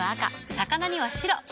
魚には白。